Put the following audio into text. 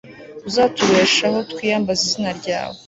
uzatubeshaho, twiyambaze izina ryawe